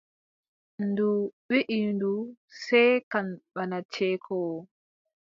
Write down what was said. Ndu wiʼi ndu seekan bana ceekoowo.